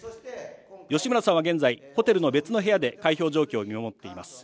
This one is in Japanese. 吉村さんは現在、ホテルの別の部屋で開票状況を見守っています。